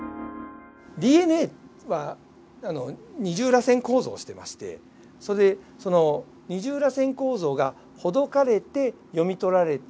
ＤＮＡは二重らせん構造をしてましてその二重らせん構造がほどかれて読み取られて。